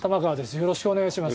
よろしくお願いします。